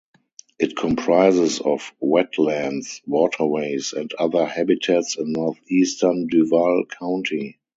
It comprises of wetlands, waterways, and other habitats in northeastern Duval County.